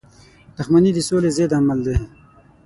• دښمني د سولی ضد عمل دی.